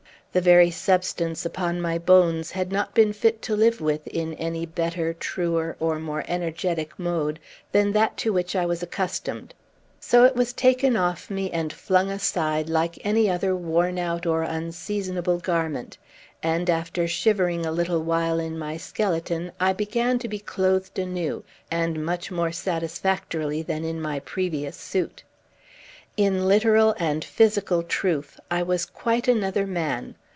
The very substance upon my bones had not been fit to live with in any better, truer, or more energetic mode than that to which I was accustomed. So it was taken off me and flung aside, like any other worn out or unseasonable garment; and, after shivering a little while in my skeleton, I began to be clothed anew, and much more satisfactorily than in my previous suit. In literal and physical truth, I was quite another man.